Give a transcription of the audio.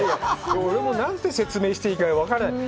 俺も何て説明していいか、分からない。